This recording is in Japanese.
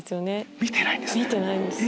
見てないんですね。